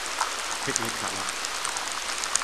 虢礫緙嘞